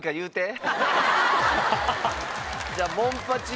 じゃあモンパチ。